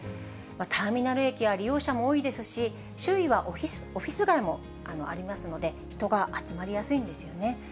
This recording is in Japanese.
ターミナル駅は利用者も多いですし、周囲はオフィス街もありますので、人が集まりやすいんですよね。